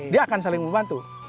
dia akan saling membantu